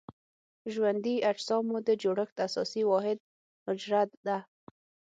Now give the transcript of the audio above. ژوندي اجسامو د جوړښت اساسي واحد حجره ده.